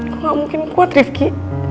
kok gak mungkin muka trift ki